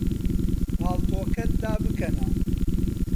پاڵتۆکەت دابکەنە.